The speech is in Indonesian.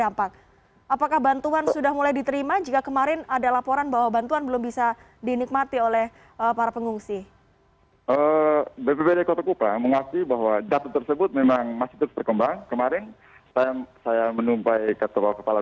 masih belum terangkat